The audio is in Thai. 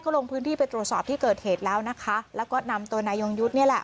ลงพื้นที่ไปตรวจสอบที่เกิดเหตุแล้วนะคะแล้วก็นำตัวนายยงยุทธ์นี่แหละ